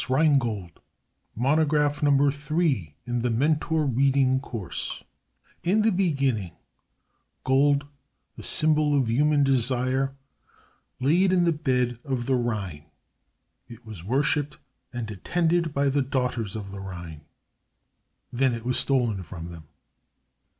DIELITZ] The Ring of the Nibelung DAS RHEINGOLD Monograph Number Three in The Mentor Reading Course In the beginning Gold, the symbol of human desire, lay in the bed of the Rhine. It was worshipped and attended by the daughters of the Rhine. Then it was stolen from them.